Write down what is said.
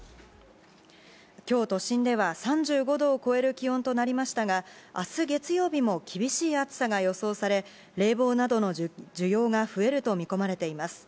きょう、都心では３５度を超える気温となりましたが、あす月曜日も厳しい暑さが予想され、冷房などの需要が増えると見込まれています。